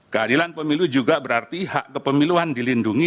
keadilan pemilu juga berarti hak kepemiluan dilindungi